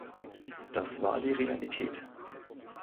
Das war die Realität.